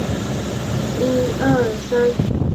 就开始等放假啦